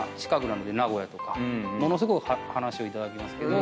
なんで名古屋とかものすごい話を頂きますけど。